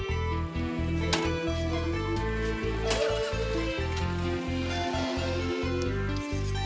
eh untuk hari kayak ini terlalu cepetish ya